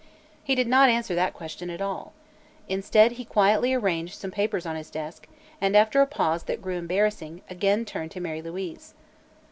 He did not answer that question at all. Instead, he quietly arranged some papers on his desk and after a pause that grew embarrassing, again turned to Mary Louise.